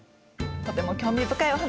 とても興味深いお話